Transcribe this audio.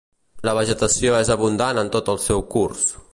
La vegetació és abundant en tot el seu curs.